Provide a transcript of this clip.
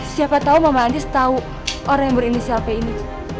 siapa tau mama andis tau orang yang berinisial p ini